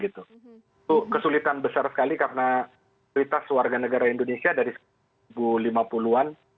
itu kesulitan besar sekali karena kualitas warga negara indonesia dari dua ribu lima puluh an